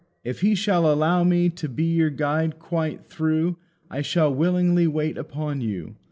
"If he shall allow me to be your guide quite through, I shall willingly wait upon you.